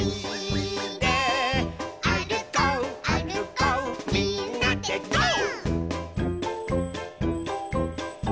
「あるこうあるこうみんなでゴー！」